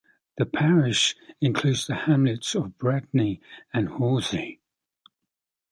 The parish includes the hamlets of Bradney and Horsey.